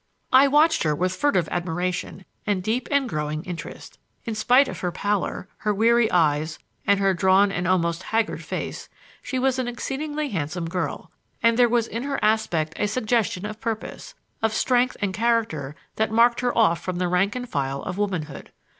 I watched her with furtive admiration and deep and growing interest. In spite of her pallor, her weary eyes, and her drawn and almost haggard face, she was an exceedingly handsome girl; and there was in her aspect a suggestion of purpose, of strength and character that marked her off from the rank and file of womanhood.